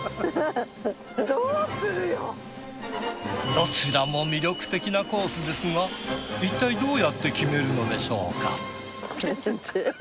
どちらも魅力的なコースですがいったいどうやって決めるのでしょうか？